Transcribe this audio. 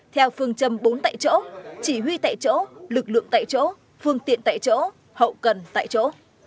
theo phương châm bốn tại chỗ chỉ huy tại chỗ lực lượng tại chỗ phương tiện tại chỗ hậu cần tại chỗ